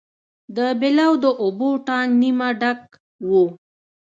د بلو د اوبو ټانک نیمه ډک و.